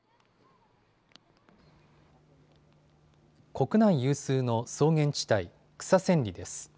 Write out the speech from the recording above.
国内有数の草原地帯、草千里です。